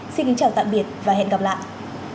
xin kính chào tạm biệt và hẹn gặp lại